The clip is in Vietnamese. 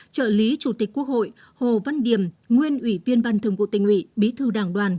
trợ lý chủ tịch quốc hội hồ văn điểm nguyên ủy viên ban thường vụ tình ủy bí thư đảng đoàn